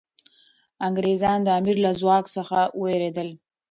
انګریزان د امیر له ځواک څخه ویرېدل.